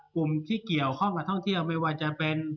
กลุ่มที่เกี่ยวข้องกับท่องเที่ยวไม่ว่าจะเป็น